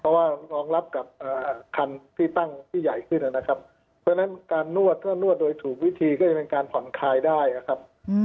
เพราะว่ารองรับกับคันที่ตั้งที่ใหญ่ขึ้นนะครับเพราะฉะนั้นการนวดถ้านวดโดยถูกวิธีก็จะเป็นการผ่อนคลายได้นะครับ